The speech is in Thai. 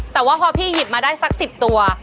แต่ว่าพอพี่หยิบมาได้สัก๑๐ตัว